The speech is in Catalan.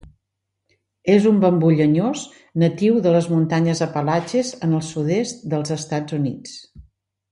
És un bambú llenyós natiu de les muntanyes Apalatxes en el sud-est dels Estats Units.